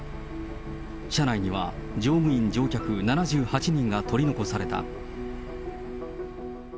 車内には乗務員・乗客７８人が取り残された。